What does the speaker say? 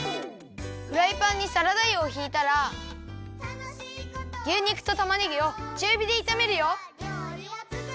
フライパンにサラダ油をひいたら牛肉とたまねぎをちゅうびでいためるよ。